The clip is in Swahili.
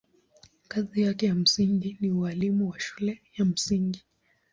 Kazi yake ya msingi ni ualimu wa shule ya msingi.